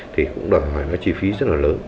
thì cũng đòi hỏi nó chi phí rất là lớn